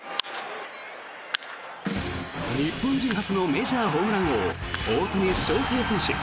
日本人初のメジャーホームラン王大谷翔平選手。